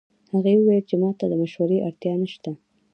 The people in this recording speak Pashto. هغې وویل چې ما ته د مشورې اړتیا نه شته